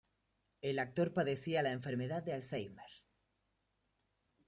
El actor padecía la enfermedad de Alzheimer.